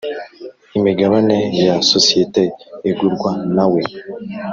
imigabane ya sosiyete igurwa nawe